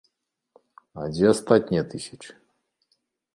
А дзе астатнія тысячы?